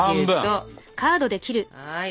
はい。